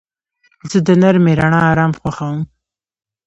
زه د نرمې رڼا آرام خوښوم.